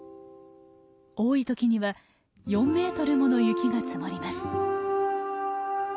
多い時には４メートルもの雪が積もります。